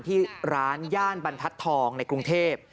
ที่ร้านย่านบรรทัศน์ทองในกรุงเทพ